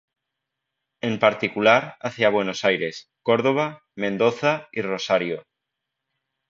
En particular, hacia Buenos Aires, Córdoba, Mendoza y Rosario.